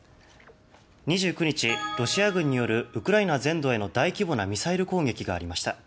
２９日、ロシア軍によるウクライナ全土への大規模なミサイル攻撃がありました。